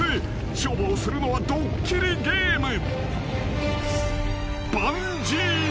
［勝負をするのはドッキリゲーム］